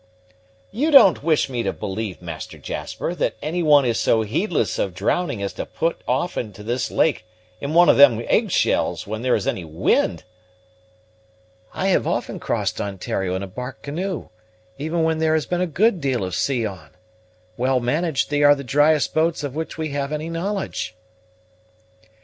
"You don't wish me to believe, Master Jasper, that any one is so heedless of drowning as to put off into this lake in one of them eggshells when there is any wind?" "I have often crossed Ontario in a bark canoe, even when there has been a good deal of sea on. Well managed, they are the driest boats of which we have any knowledge."